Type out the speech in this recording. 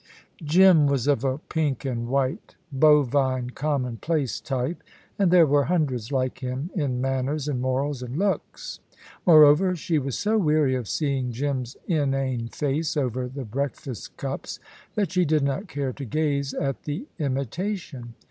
Jim was of a pink and white, bovine, commonplace type, and there were hundreds like him in manners and morals and looks. Moreover, she was so weary of seeing Jim's inane face over the breakfast cups that she did not care to gaze at the imitation.